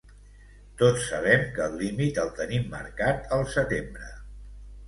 Tots sabem que el límit el tenim marcat al setembre.